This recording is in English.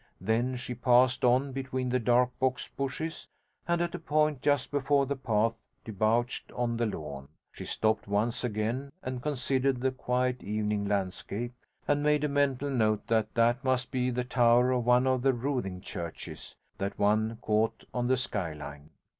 Then she passed on between the dark box bushes, and, at a point just before the path debouched on the lawn, she stopped once again and considered the quiet evening landscape, and made a mental note that that must be the tower of one of the Roothing churches that one caught on the sky line.